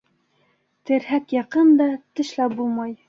Терһәк яҡын да - тешләп булмай.